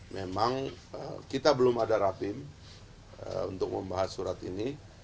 memang kita belum ada rapim untuk membahas surat ini